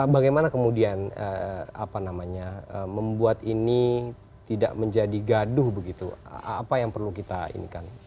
bagaimana kemudian apa namanya membuat ini tidak menjadi gaduh begitu apa yang perlu kita inikan